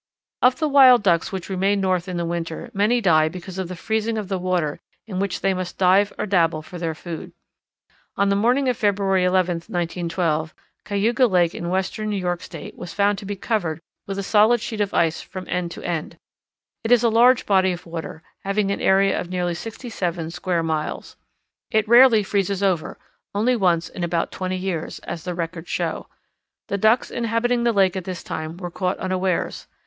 Of the Wild Ducks which remain North in the winter many die because of the freezing of the water in which they must dive or dabble for their food. On the morning of February 11, 1912, Cayuga Lake in western New York State was found to be covered with a solid sheet of ice from end to end. It is a large body of water, having an area of nearly sixty seven square miles. It rarely freezes over only once in about twenty years, as the records show. The Ducks inhabiting the lake at this time were caught unawares.